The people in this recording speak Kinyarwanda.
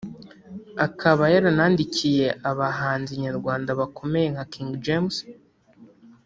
akaba yaranandikiye abahanzi nyarwanda bakomeye nka King James